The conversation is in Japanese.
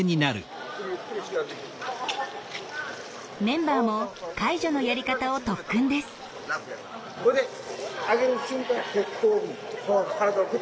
メンバーも介助のやり方を特訓です。